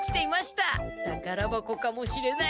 たからばこかもしれない。